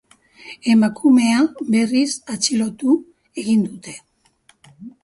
Emakumea, berriz, atxilotu egin dute.